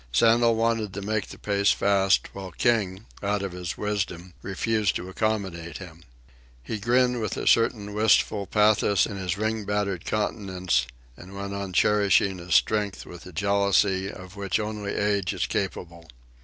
Sandel wanted to make the pace fast, while King, out of his wisdom, refused to accommodate him. He grinned with a certain wistful pathos in his ring battered countenance, and went on cherishing his strength with the jealousy of which only Age is capable.